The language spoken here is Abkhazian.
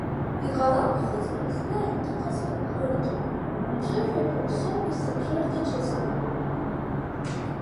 Иҟалап ԥхыӡла зны аҩныҟа схынҳәыргьы, мҵәыжәҩақәак соуны сыԥрыргьы ҽазнык.